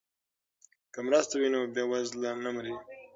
که مرسته وي نو بیوزله نه مري.